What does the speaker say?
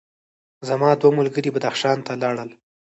زما دوه ملګري بدخشان ته لاړل.